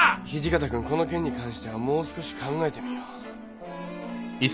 土方君この件に関してはもう少し考えてみよう。